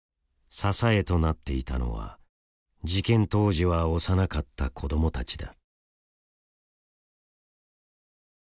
支えとなっていたのは事件当時は幼かった子どもたちだ。